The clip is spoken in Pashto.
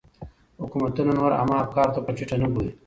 حکومتونه نور عامه افکارو ته په ټيټه نه ګوري.